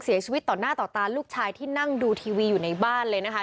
เสียชีวิตต่อหน้าต่อตาลูกชายที่นั่งดูทีวีอยู่ในบ้านเลยนะคะ